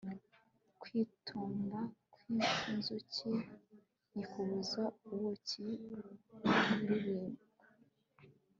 Kwitotomba kwinzuki ntikubuza ubuki kuribwa